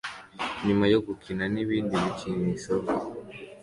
Nyuma yo gukina nibindi bikinisho bye